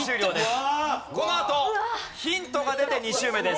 このあとヒントが出て２周目です。